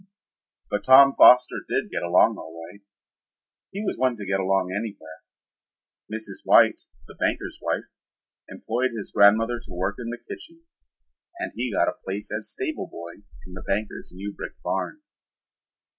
But Tom Foster did get along all right. He was one to get along anywhere. Mrs. White, the banker's wife, employed his grandmother to work in the kitchen and he got a place as stable boy in the banker's new brick barn.